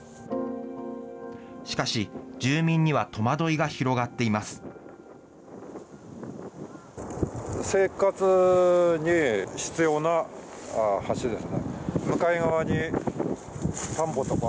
しかし、住民には戸惑いが広がっています。